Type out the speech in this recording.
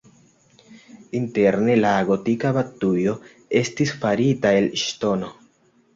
Interne la gotika baptujo estis farita el ŝtono.